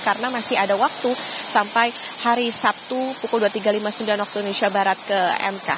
karena masih ada waktu sampai hari sabtu pukul dua puluh tiga lima puluh sembilan waktu indonesia barat ke mk